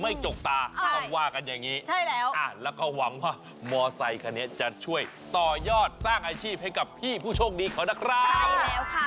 ไม่จกตาต้องว่ากันอย่างนี้ใช่แล้วอ่าแล้วก็หวังว่ามอสไซค์คันนี้จะช่วยต่อยอดสร้างอาชีพให้กับพี่ผู้โชคดีของนักราชใช่แล้วค่ะ